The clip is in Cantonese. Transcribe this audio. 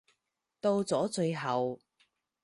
到咗最後